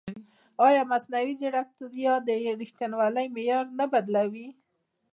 ایا مصنوعي ځیرکتیا د ریښتینولۍ معیار نه بدلوي؟